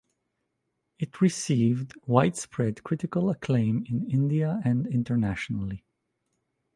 It received widespread critical acclaim in India and internationally.